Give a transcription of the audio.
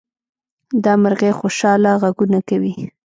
دا مرغۍ خوشحاله غږونه کوي.